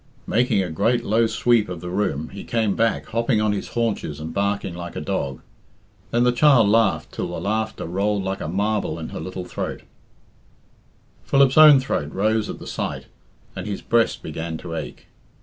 Making a great low sweep of the room, he came back hopping on his haunches and barking like a dog. Then the child laughed till the laughter rolled like a marble in her little throat. Philip's own throat rose at the sight, and his breast began to ache.